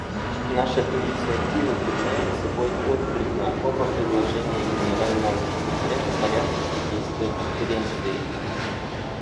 Наша инициатива являет собой отклик на оба предложения Генерального секретаря в порядке содействия Конференции.